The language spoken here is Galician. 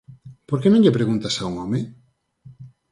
Por que non lle preguntas a un home?